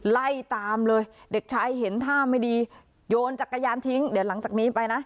ไล่ตามเลยเด็กชายเห็นท่าไม่ดีโยนจักรยานทิ้งเดี๋ยวหลังจากนี้ไปนะ